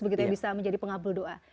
begitu yang bisa menjadi pengabdil doa